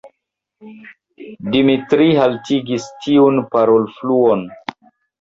Dimitri haltigis tiun parolfluon.